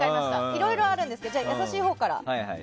いろいろあるんですけど優しいほうから。